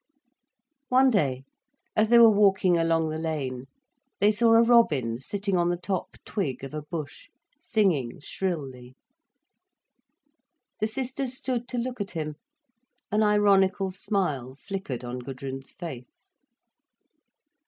One day as they were walking along the lane, they saw a robin sitting on the top twig of a bush, singing shrilly. The sisters stood to look at him. An ironical smile flickered on Gudrun's face.